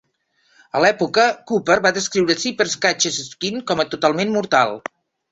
A l'època, Cooper va descriure "Zipper Catches Skin" com "totalment mortal.